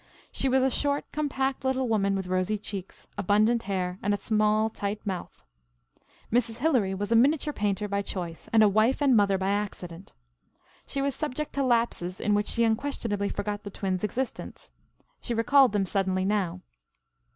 She was a short, compact little woman with rosy cheeks, abundant hair and a small tight mouth. Mrs. Hilary was a miniature painter by choice and a wife and mother by accident. She was subject to lapses in which she unquestionably forgot the twins' existence. She recalled them suddenly now.